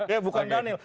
ya bukan daniel